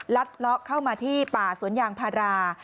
เลาะเข้ามาที่ป่าสวนยางพารา